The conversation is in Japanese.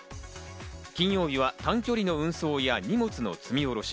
金曜日は短距離の運送や、荷物の積み下ろし、